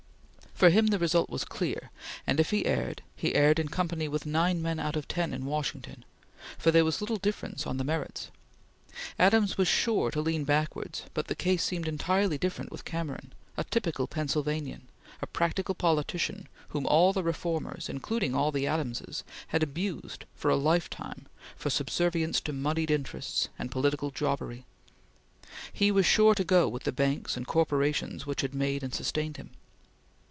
For him this result was clear, and if he erred, he erred in company with nine men out of ten in Washington, for there was little difference on the merits. Adams was sure to learn backwards, but the case seemed entirely different with Cameron, a typical Pennsylvanian, a practical politician, whom all the reformers, including all the Adamses, had abused for a lifetime for subservience to moneyed interests and political jobbery. He was sure to go with the banks and corporations which had made and sustained him.